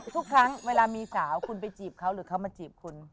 ทุกครั้งเวลามีสาวคุณไปจีบเขาหรือเขามาจีบคุณ